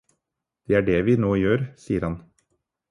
Det er det vi nå gjør, sier han.